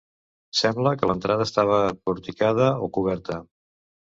Sembla que l'entrada estava porticada o coberta.